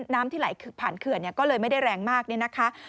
น้ำที่ไหลผ่านเขื่อนก็เลยไม่ได้แรงมากเนี่ยนะคะ